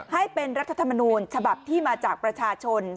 ให้เป็นรัฐธรรมนูญฉบับที่มาจากประชาชน